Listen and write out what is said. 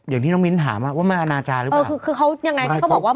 อย่างที่น้องมิ้นถามว่ามันอาณาจารย์หรือเปล่า